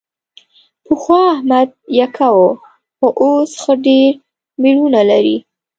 پخوا احمد یکه و، خو اوس ښه ډېر مېړونه لري.